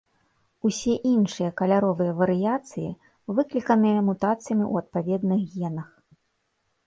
Усе іншыя каляровыя варыяцыі выкліканыя мутацыямі ў адпаведных генах.